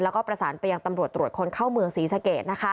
แล้วก็ประสานไปยังตำรวจตรวจคนเข้าเมืองศรีสเกต